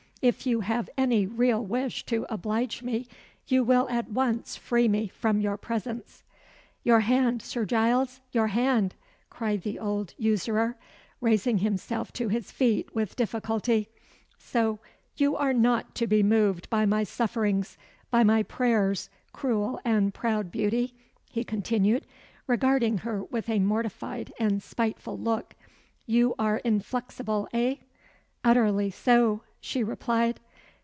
If you have any real wish to oblige me, you will at once free me from your presence." "Your hand, Sir Giles your hand!" cried the old usurer, raising himself to his feet with difficulty, "So, you are not to be moved by my sufferings by my prayers, cruel and proud beauty?" he continued, regarding her with a mortified and spiteful look. "You are inflexible eh?" "Utterly so," she replied.